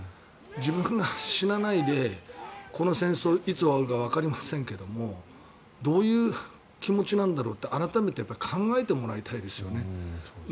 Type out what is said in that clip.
自分が死なないでこの戦争、いつ終わるかわかりませんけれどもどういう気持ちなんだろうって改めて考えてもらいたいですよね。